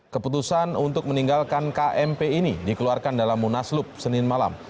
keputusan untuk meninggalkan kmp ini dikeluarkan dalam munaslup senin malam